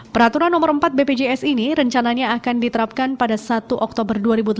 peraturan nomor empat bpjs ini rencananya akan diterapkan pada satu oktober dua ribu delapan belas